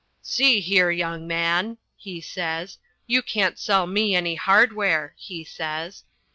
"See here, young man," he says, "you can't sell me any hardware," he says.